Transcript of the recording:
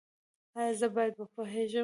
ایا زه باید وپوهیږم؟